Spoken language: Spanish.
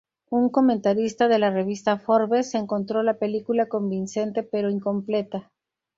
Un comentarista de la revista "Forbes" encontró la película convincente pero incompleta.